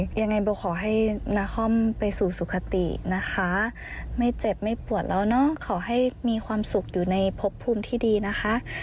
ยังไงโบขอให้นาคอมไปสู่สุขตินะคะไม่เจ็บไม่ปวดแล้วเนอะขอให้มีความสุขอยู่ในพบภูมิที่ดีนะคะ